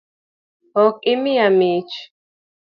Ok imiya mich?